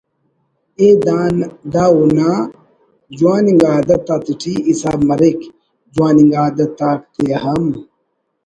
ءِ دا اونا جوان انگا عادت آتیٹی حساب مریک (جوان انگا عادت آک تے ہم